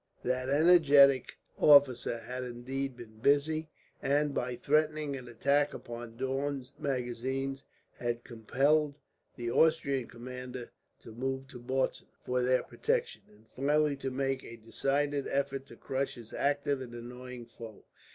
That energetic officer had indeed been busy and, by threatening an attack upon Daun's magazines, had compelled the Austrian commander to move to Bautzen for their protection, and finally to make a decided effort to crush his active and annoying foe.